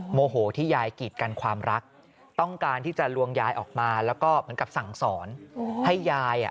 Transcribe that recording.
โอ้โหโอ้โหโอ้โหโอ้โหโอ้โหโอ้โหโอ้โหโอ้โหโอ้โหโอ้โหโอ้โห